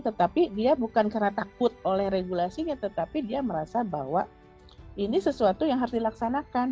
tetapi dia bukan karena takut oleh regulasinya tetapi dia merasa bahwa ini sesuatu yang harus dilaksanakan